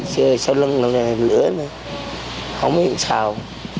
chứ sau lưng là lửa nữa không biết làm sao